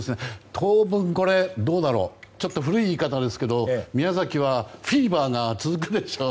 当分、これはちょっと古い言い方ですけど宮崎はフィーバーが続くでしょうね。